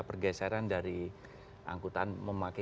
pergeseran dari angkutan memakai